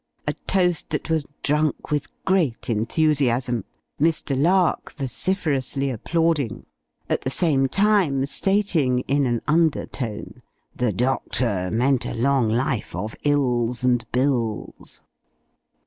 a toast that was drunk with great enthusiasm, Mr. Lark vociferously applauding; at the same time stating, in an under tone "the doctor meant a long life of ills and bills."